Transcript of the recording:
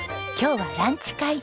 今日はランチ会。